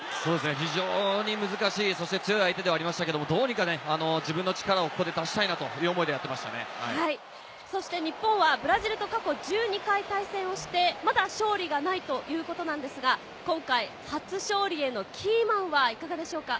非常に難しい強い相手でしたけど、どうにか自分の力をここで出したいという思いでやって日本はブラジルと過去１２回対戦して、まだ勝利がないということですが、今回、初勝利へのキーマンはいかがでしょうか？